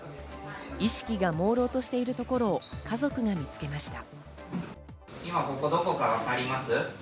意識が朦朧としているところを家族が見つけました。